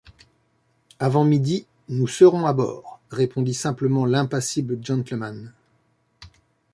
Avant midi nous serons à bord, » répondit simplement l’impassible gentleman.